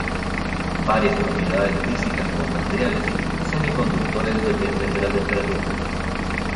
Varias propiedades físicas de los materiales semiconductores dependen de la temperatura.